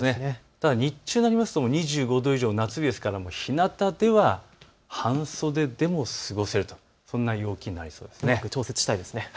ただ日中になりますと２５度以上、夏日ですからひなたでは半袖でも過ごせる、そんな陽気となりそうです。